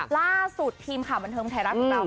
ล่าสุดปีธีมชมที่บันเทิมเทรเล่า